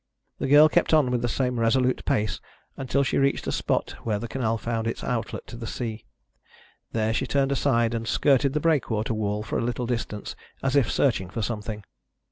The girl kept on with the same resolute pace, until she reached a spot where the canal found its outlet to the sea. There she turned aside and skirted the breakwater wall for a little distance, as if searching for something.